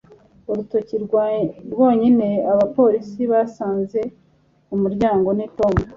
Urutoki rwonyine abapolisi basanze ku muryango ni Tom